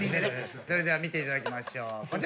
それでは見ていただきましょうこちらです。